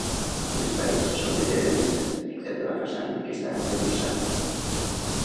Les parets són de pedra vista, excepte la façana que està arrebossada.